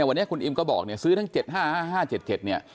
วันนี้คุณอิ่มก็บอกซื้อทั้ง๗๕๕หรือ๕๗๗